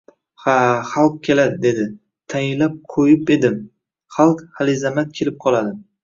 — Ha, xalq keladi! — dedi. — Tayinlab qo‘yib edim, xalq halizamat kelib qoladi!